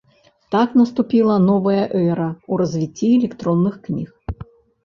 Так наступіла новая эра ў развіцці электронных кніг.